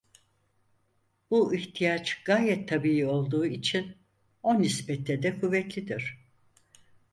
Bu ihtiyaç gayet tabiî olduğu için o nispette de kuvvetlidir.